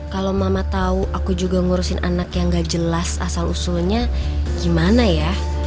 kalau mama tahu aku juga ngurusin anak yang gak jelas asal usulnya gimana ya